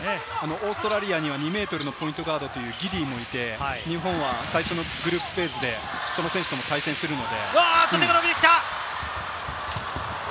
オーストラリアには２ｍのポイントガードもいて、日本は最初のグループフェーズで、その選手と対戦するので。